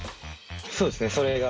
そうですねそれが結構。